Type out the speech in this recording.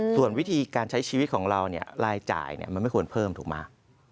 ส่วนวิธีการใช้ชีวิตของเราเนี่ยรายจ่ายมันไม่ควรเพิ่มถูกไหม